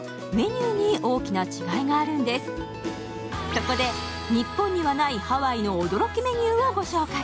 そこで、日本にはないハワイの驚きメニューをご紹介。